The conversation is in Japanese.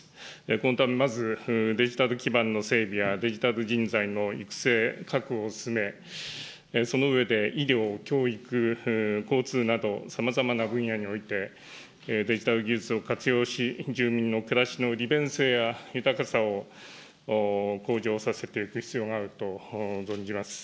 このため、まずデジタル基盤の整備やデジタル人材の育成、確保を進め、その上で、医療、教育、交通などさまざまな分野において、デジタル技術を活用し、住民の暮らしの利便性や豊かさを向上させていく必要があると存じます。